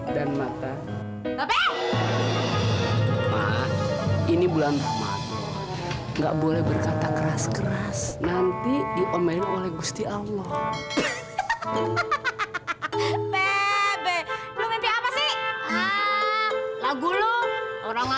sampai jumpa di video selanjutnya